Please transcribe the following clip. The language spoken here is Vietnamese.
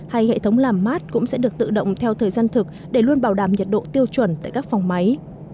hay hệ thống làm mát cũng sẽ được tự động theo thời gian thực để luôn bảo đảm nhiệt độ tiêu chuẩn tại các phòng máy